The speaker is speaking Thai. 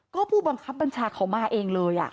ก็ผู้บังคับบัญชาเขามาเองเลย